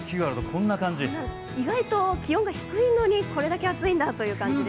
意外と気温が低いのにこれだけ暑いんだという感じです。